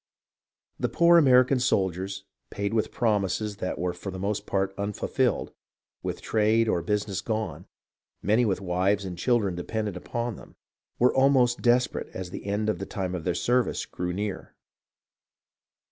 The poor American soldiers, paid with promises that were for the most part unfulfilled, with trade or busi ness gone, many with wives and children dependent upon them, were almost desperate as the end of the time of their service drew near.